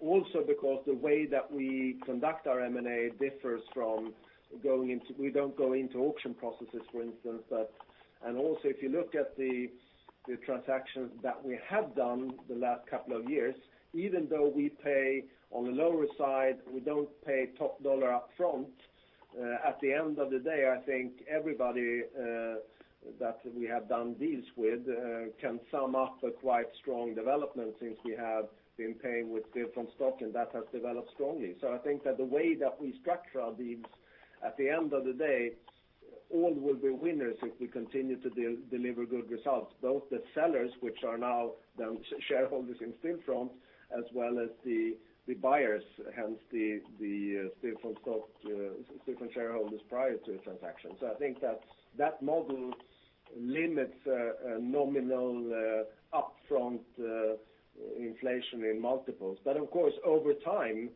Also because the way that we conduct our M&A differs from going into auction processes, for instance. Also, if you look at the transactions that we have done the last couple of years, even though we pay on the lower side, we don't pay top dollar up front. At the end of the day, I think everybody that we have done deals with can sum up a quite strong development since we have been paying with different stock, and that has developed strongly. I think that the way that we structure our deals, at the end of the day, all will be winners if we continue to deliver good results, both the sellers, which are now shareholders in Stillfront, as well as the buyers, hence the Stillfront shareholders prior to the transaction. I think that model limits nominal upfront inflation in multiples. Of course, over time,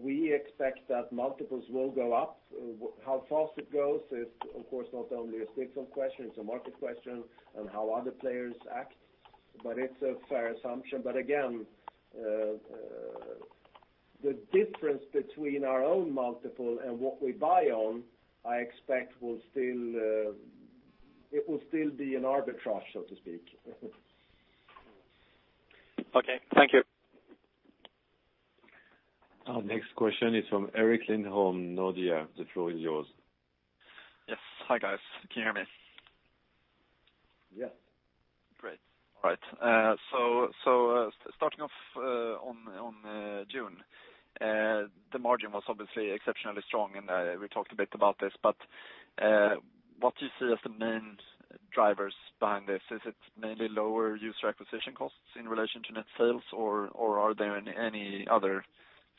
we expect that multiples will go up. How fast it goes is, of course, not only a Stillfront question, it's a market question on how other players act, but it's a fair assumption. Again, the difference between our own multiple and what we buy on, I expect it will still be an arbitrage, so to speak. Okay. Thank you. Our next question is from Henrik Lindholm, Nordea. The floor is yours. Yes. Hi, guys. Can you hear me? Yes. Great. All right. Starting off on June, the margin was obviously exceptionally strong, and we talked a bit about this, but what do you see as the main drivers behind this? Is it mainly lower user acquisition costs in relation to net sales, or are there any other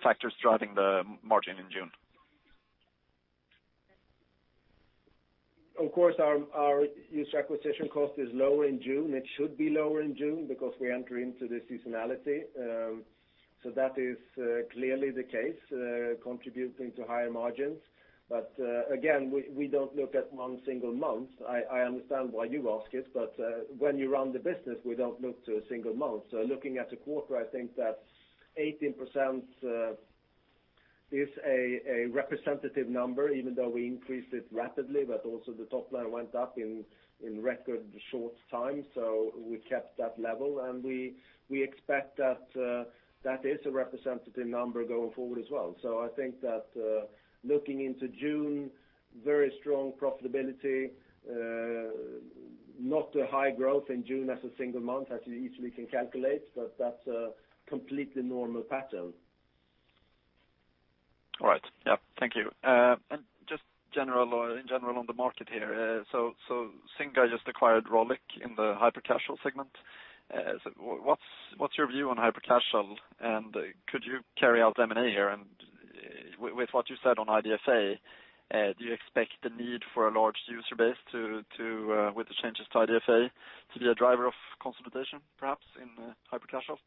factors driving the margin in June? Of course, our user acquisition cost is lower in June. It should be lower in June because we enter into the seasonality. That is clearly the case, contributing to higher margins. Again, we don't look at one single month. I understand why you ask it, but when you run the business, we don't look to a single month. Looking at a quarter, I think that 18% is a representative number, even though we increased it rapidly, but also the top line went up in record short time. We kept that level, and we expect that that is a representative number going forward as well. I think that looking into June, very strong profitability, not a high growth in June as a single month, as you easily can calculate, but that's a completely normal pattern. All right. Yeah. Thank you. Just in general on the market here. Zynga just acquired Rollic in the hyper-casual segment. What's your view on hyper-casual, and could you carry out M&A here? With what you said on IDFA, do you expect the need for a large user base with the changes to IDFA to be a driver of consolidation, perhaps in hyper-casual?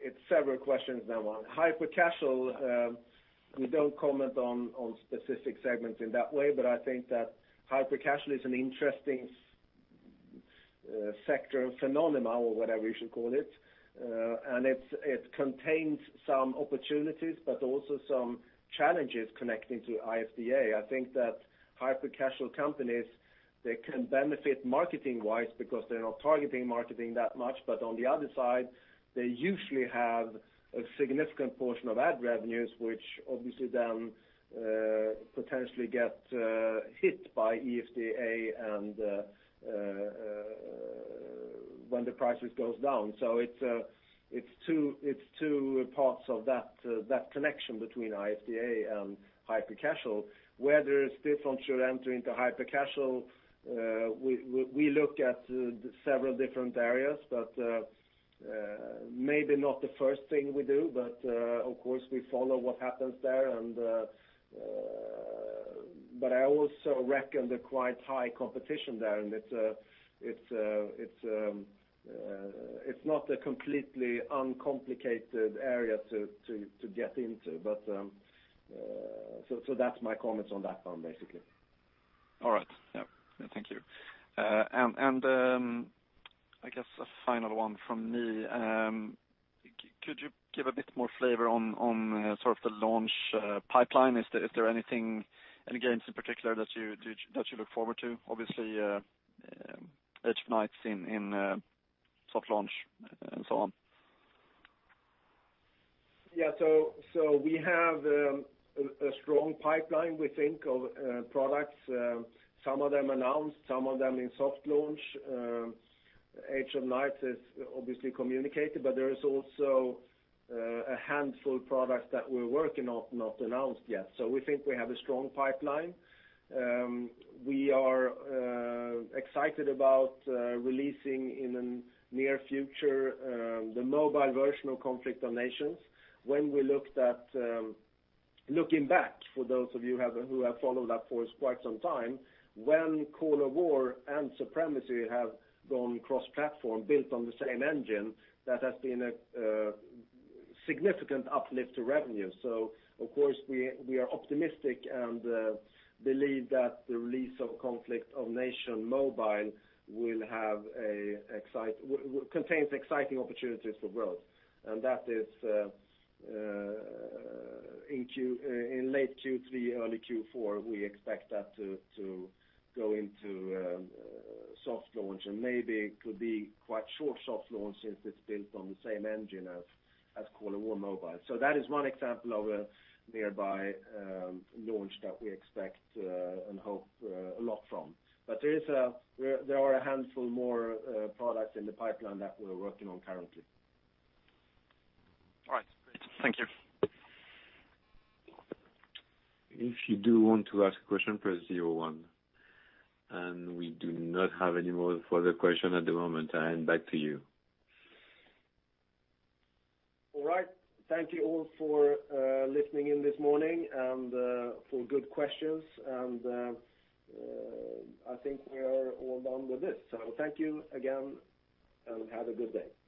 It's several questions now. Hyper-casual, we don't comment on specific segments in that way, but I think that hyper-casual is an interesting sector phenomena, or whatever you should call it. It contains some opportunities, but also some challenges connecting to IDFA. I think that hyper-casual companies can benefit marketing-wise because they're not targeting marketing that much. On the other side, they usually have a significant portion of ad revenues, which obviously then potentially get hit by IDFA and when the prices goes down. It's two parts of that connection between IDFA and hyper-casual. Whether Stillfront should enter into hyper-casual, we look at several different areas, but maybe not the first thing we do. Of course, we follow what happens there. I also reckon the quite high competition there, and it's not a completely uncomplicated area to get into. That's my comments on that one, basically. All right. Yeah. Thank you. I guess a final one from me. Could you give a bit more flavor on sort of the launch pipeline? Is there any games in particular that you look forward to? Obviously, Age of Knights in soft launch and so on. Yeah. We have a strong pipeline, we think, of products. Some of them announced, some of them in soft launch. Age of Knights is obviously communicated, but there is also a handful products that we're working on, not announced yet. We think we have a strong pipeline. We are excited about releasing in the near future the mobile version of Conflict of Nations. When looking back, for those of you who have followed that for quite some time, when Call of War and Supremacy have gone cross-platform built on the same engine, that has been a significant uplift to revenue. Of course, we are optimistic and believe that the release of Conflict of Nations mobile contains exciting opportunities for growth. That is in late Q3, early Q4, we expect that to go into soft launch, and maybe it could be quite short soft launch since it's built on the same engine as Call of War Mobile. That is one example of a nearby launch that we expect and hope a lot from. There are a handful more products in the pipeline that we're working on currently. All right. Great. Thank you. If you do want to ask a question, press zero one. We do not have any more further question at the moment. Jörgen, back to you. All right. Thank you all for listening in this morning and for good questions, and I think we are all done with this. Thank you again, and have a good day.